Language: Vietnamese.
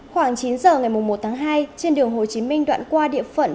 khoảng chín giờ ngày một tháng hai trên đường hồ chí minh đoạn qua địa phận